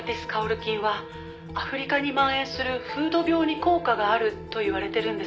菌はアフリカに蔓延する風土病に効果があるといわれてるんです」